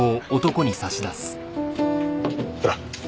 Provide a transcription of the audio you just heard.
ほら。